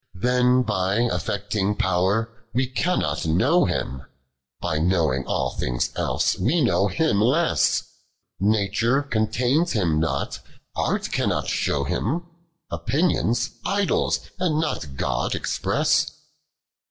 7. Then by affecting pow'r, we cannot know Him ; By knowing all things else, we know Him less ; Nature contains Him not, Art cannot show Him ; Opinions, idols and not God, express.